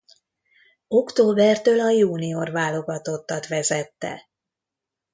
Októbertől a junior válogatottat vezette.